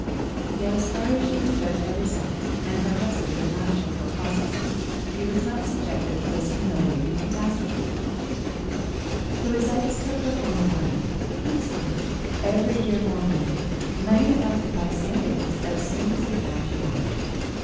Yet, as far as she could judge by results and her husband did not show her processes he was not subjected to this humiliating catastrophe. The results took the form of money heaps of money, every year more money money enough to buy Sandiloes as soon as he found she wanted it.